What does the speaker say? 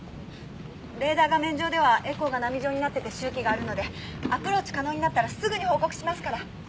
レーダー画面上ではエコーが波状になってて周期があるのでアプローチ可能になったらすぐに報告しますから。